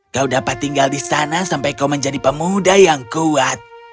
kau dapat tinggal di sana sampai kau menjadi pemuda yang kuat